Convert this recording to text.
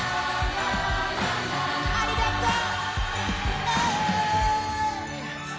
ありがとう！